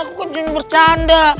aku kan ingin bercanda